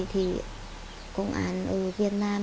thì công an ở việt nam